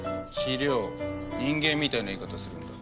人間みたいな言い方するんだな。